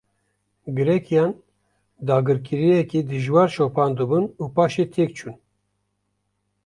Grekiyan, dagirkeriyeke dijwar şopandibûn û paşê têk çûn